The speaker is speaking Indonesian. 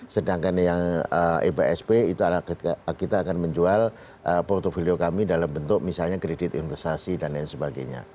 sedangkan yang epsp itu kita akan menjual portfolio kami dalam bentuk misalnya kredit investasi dan lain sebagainya